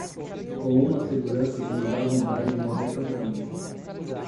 com uma segurança que me dá vontade de morrer cantando.